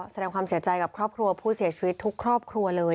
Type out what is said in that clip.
แสดงความเสียใจกับครอบครัวผู้เสียชีวิตทุกครอบครัวเลย